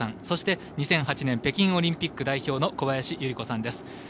そして、２００８年北京オリンピック代表の小林祐梨子さんです。